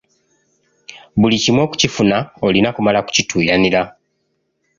Buli kimu okukifuna olina kumala kukituuyanira.